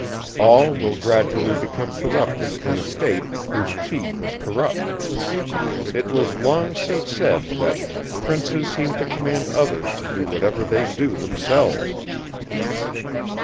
All will gradually become corrupted in a state, whose chief is corrupt. It was long since said, that "Princes seem to command others to do whatever they do themselves."